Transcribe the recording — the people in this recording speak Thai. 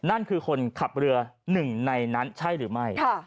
นั่นคือคนขับเรือหนึ่งในนั้นใช่หรือไม่